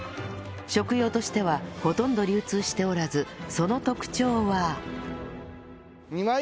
食用としてはほとんど流通しておらずその特徴は